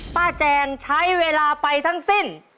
แจงใช้เวลาไปทั้งสิ้น